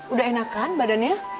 udah enakan badannya